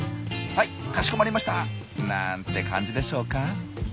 「はいかしこまりました」なんて感じでしょうか。